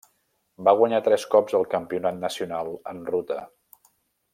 Va guanyar tres cops el Campionat nacional en ruta.